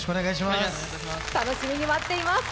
楽しみに待ってます。